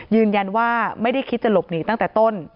ยืนยันว่าไม่ได้คิดจะหลบหนีตั้งแต่ต้น